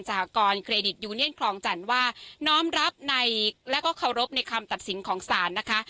หกรณเครดิตยูเนียนคลองจันทร์ว่าน้อมรับในแล้วก็เคารพในคำตัดสินของศาลนะคะ